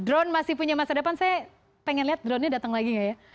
drone masih punya masa depan saya pengen lihat dronenya datang lagi nggak ya